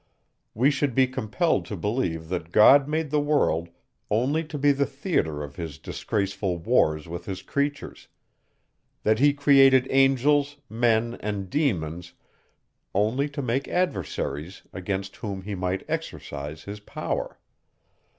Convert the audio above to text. We should be compelled to believe, that God made the world only to be the theatre of his disgraceful wars with his creatures; that he created angels, men, and demons, only to make adversaries, against whom he might exercise his power.